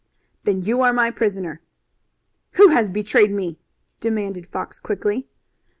"Then you are my prisoner." "Who has betrayed me?" demanded Fox quickly.